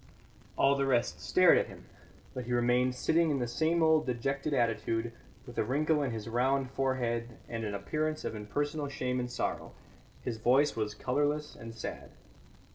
All the rest stared at him, but he remained sitting in the same old dejected attitude, with a wrinkle in his round forehead and an appearance of impersonal shame and sorrow; his voice was colourless and sad.